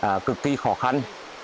và cực kỳ khó khăn